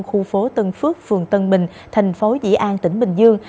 khu phố tân phước phường tân bình thành phố dĩ an tỉnh bình dương